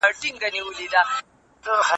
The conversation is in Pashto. د دوی په اند سياسي نظام د دې علم اصلي سکالو ده.